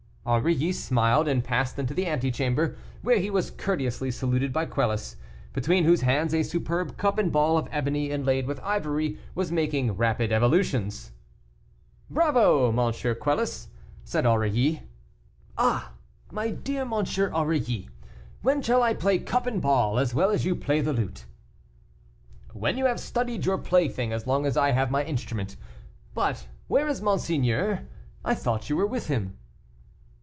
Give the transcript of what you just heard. Aurilly smiled, and passed into the ante chamber, where he was courteously saluted by Quelus, between whose hands a superb cup and ball of ebony inlaid with ivory was making rapid evolutions. "Bravo! M. Quelus," said Aurilly. "Ah! my dear M. Aurilly, when shall I play cup and ball as well as you play the lute?" "When you have studied your plaything as long as I have my instrument. But where is monseigneur? I thought you were with him."